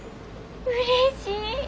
うれしい！